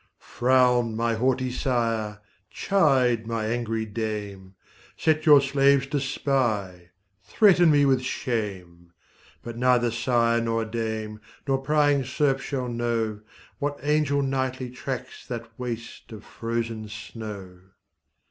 Frown, my haughty sire! chide, my angry dame! Set your slaves to spy; threaten me with shame: But neither sire nor dame, nor prying serf shall know, What angel nightly tracks that waste of frozen snow.